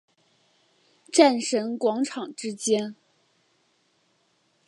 战神广场之间。